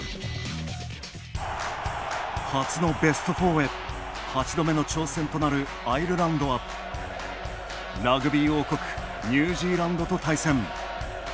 初のベスト４へ、８度目の挑戦となるアイルランドはラグビー王国ニュージーランドと対戦。